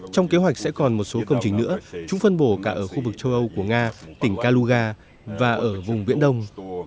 trong kế hoạch sẽ còn một số công trình nữa chúng phân bổ cả ở khu vực châu âu của nga tỉnh kaluga và ở vùng viễn đông